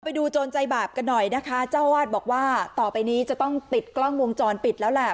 โจรใจบาปกันหน่อยนะคะเจ้าวาดบอกว่าต่อไปนี้จะต้องติดกล้องวงจรปิดแล้วแหละ